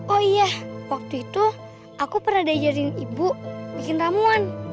oh iya waktu itu aku pernah diajarin ibu bikin ramuan